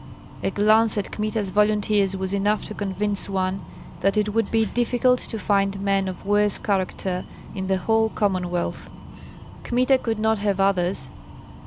A glance at Kmita's volunteers was enough to convince one that it would be difficult to find men of worse character in the whole Commonwealth. Kmita could not have others.